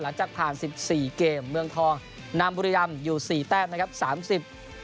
หลังจากผ่าน๑๔เกมเมืองทองนามบุรียำอยู่๔แต้มนะครับ